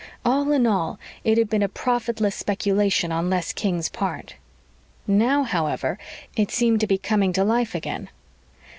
All in all, it had been a profitless speculation on Les King's part. Now, however, it seemed to be coming to life again.